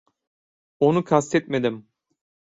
Onu kastetmedim.